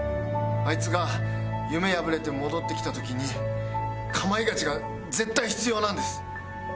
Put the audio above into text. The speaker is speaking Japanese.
あいつが夢破れて戻ってきた時に『かまいガチ』が絶対必要なんです。